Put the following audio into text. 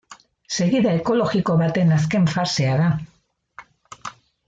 Segida ekologiko baten azken fasea da.